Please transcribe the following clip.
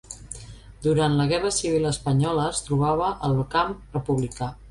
Durant la Guerra Civil Espanyola es trobava al camp republicà.